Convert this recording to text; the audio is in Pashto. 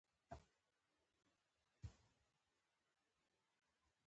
آیا د سنځلو ګل عطر لري؟